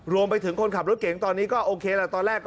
รวมไปถึงคนขับรถเก่งตอนนี้ก็โอเคแล้ว